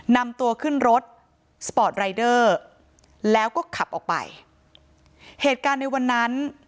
นำตัวขึ้นรถแล้วก็ขับออกไปเหตุการณ์ในวันนั้น